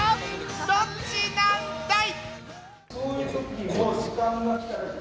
どっちなんだい？